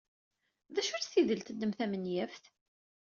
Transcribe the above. D acu-tt tidelt-nnem tamenyaft?